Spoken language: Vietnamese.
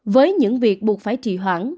với những việc buộc phải trì hoãn